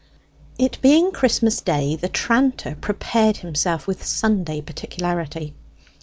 It being Christmas day, the tranter prepared himself with Sunday particularity.